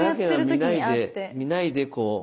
見ないでこう。